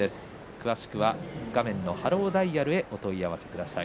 詳しくはハローダイヤルへお問い合わせください。